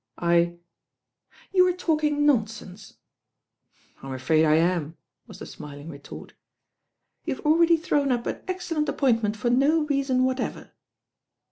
I " "You are talking nonsense.'* "I'm afraid I am," was the smiling retort. "You have already thrown up an excellent ap pointment for no reason whatever."